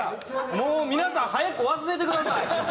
もう皆さん早く忘れてください。